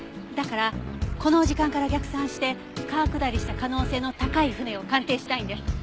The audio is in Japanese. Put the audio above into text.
だからこの時間から逆算して川下りした可能性の高い船を鑑定したいんです。